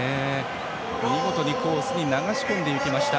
見事にコースに流し込んでいきました。